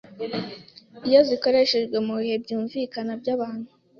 iyo zikoreshejwe mu bihe byumvikana by’abantu